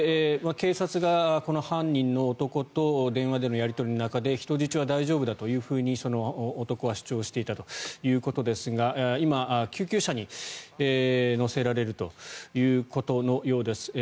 警察がこの犯人の男と電話でのやり取りの中で人質は大丈夫だというふうにその男は主張していたということですが今、救急車に乗せられるということのようです。